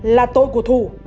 là tội của thủ